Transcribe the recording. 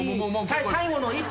最後の１杯。